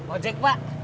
oh jack pak